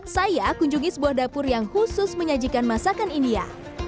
saya kunjungi sebuah dapur yang khusus menyajikan masakan india